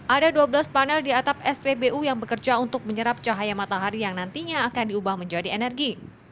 ada dua belas panel di atap spbu yang bekerja untuk menyerap cahaya matahari yang nantinya akan diubah menjadi energi